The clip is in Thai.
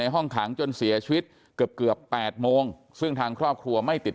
ห้องขังจนเสียชีวิตเกือบเกือบ๘โมงซึ่งทางครอบครัวไม่ติด